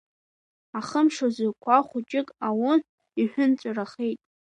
Ахымш рзы қәа хәыҷык аун, иҳәынҵәарахеит.